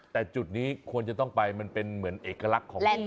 แต่จุดนี้ควรจะต้องไปมันเป็นเหมือนเอกลักษณ์ของ